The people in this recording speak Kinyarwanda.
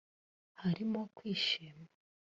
harimo kwishima